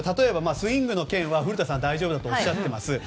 スイングの件は古田さんは大丈夫だとおっしゃっています。